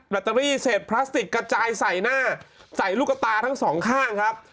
ตเตอรี่เศษพลาสติกกระจายใส่หน้าใส่ลูกกระตาทั้งสองข้างครับ